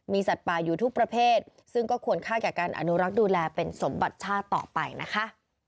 สัตว์ป่าอยู่ทุกประเภทซึ่งก็ควรค่าแก่การอนุรักษ์ดูแลเป็นสมบัติชาติต่อไปนะคะ